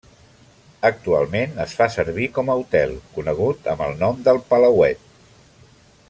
Actualment es fa servir com a hotel, conegut amb el nom d'El Palauet.